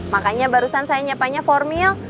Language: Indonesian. makanya barusan saya nyiapannya formil